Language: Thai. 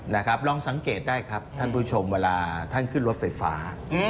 นะครับลองสังเกตได้ครับท่านผู้ชมเวลาท่านขึ้นรถไฟฟ้า